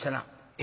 「え？」。